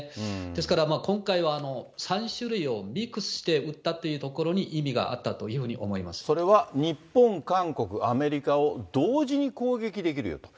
ですから、今回は３種類をミックスして撃ったというところに、意味があったそれは日本、韓国、アメリカを同時に攻撃できるよと。